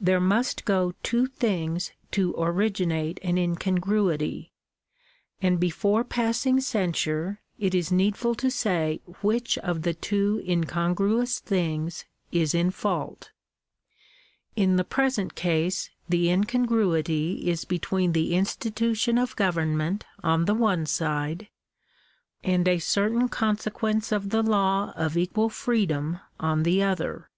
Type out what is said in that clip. There must go two things to originate an incongruity; and, before passing censure, it is needful to say which of the two incongruous things is in fault In the present case the incon Digitized by VjOOQIC THE RIGHTS OF CHILDREN. 191 gruity is between the institution of government on the one side, and a certain consequence of the law of equal freedom on the other.